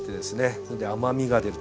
それで甘みが出ると。